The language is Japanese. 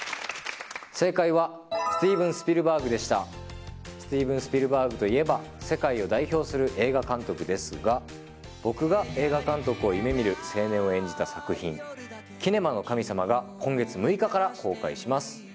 正解はスティーブン・スピルバーグでしたスティーブン・スピルバーグといえば世界を代表する映画監督ですが僕が映画監督を夢見る青年を演じた作品今月６日から公開します